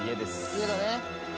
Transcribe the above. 家だね